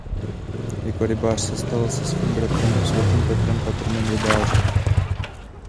Jako rybář se stal se svým bratrem svatým Petrem patronem rybářů.